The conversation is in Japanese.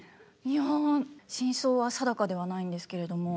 いや真相は定かではないんですけれども。